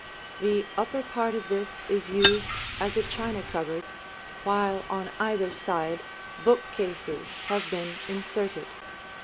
The upper part of this is used as a china cupboard, while on either side bookcases have been inserted.